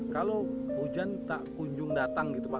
kalau hujan tak kunjung datang gitu pak